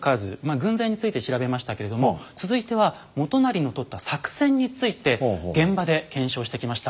軍勢について調べましたけれども続いては元就のとった作戦について現場で検証してきました。